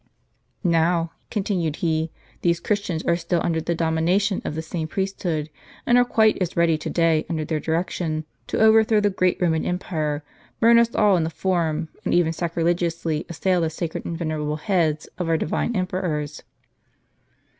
"Now," continued he, "these Christians are still under the domination of the same priesthood, and are quite as ready to day, under their direction, to overthrow the great Roman empire, burn us all in the Forum, and even sacrilegiously assail the sacred and venerable heads of our divine emperors."